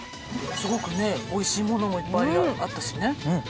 すごくね美味しいものもいっぱいあったしね